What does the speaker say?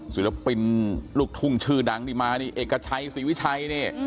สีลักษณ์ลูกทุ่งชื่อดังนี่มานี่เอกชัยสิวิชัยนี่